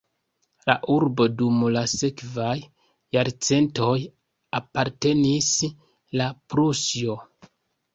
La urbo dum la sekvaj jarcentoj apartenis la Prusio.